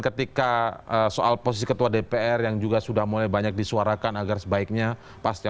ketika soal posisi ketua dpr yang juga sudah mulai banyak disuarakan agar sebaiknya pasti